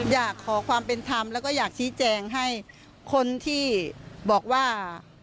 อยากขอความเป็นธรรมแล้วก็อยากชี้แจงให้คนที่บอกว่า